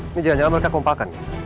ini jangan jangan mereka kompakan